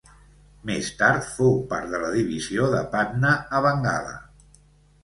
Més tard fou part de la divisió de Patna a Bengala.